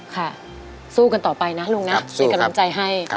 ค่ะสู้กันต่อไปนะลุงนะเป็นกำลังใจให้